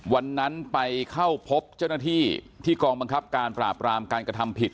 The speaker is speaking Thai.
วันนั้นไปเข้าพบเจ้าหน้าที่ที่กองบังคับการปราบรามการกระทำผิด